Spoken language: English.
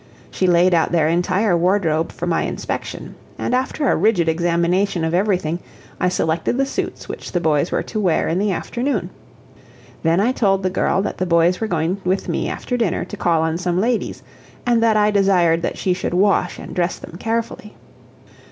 She laid out their entire wardrobe for my inspection, and after a rigid examination of everything I selected the suits which the boys were to wear in the afternoon. Then I told the girl that the boys were going with me after dinner to call on some ladies, and that I desired that she should wash and dress them carefully.